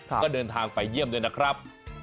ก็เดินทางไปเยี่ยมด้วยนะครับ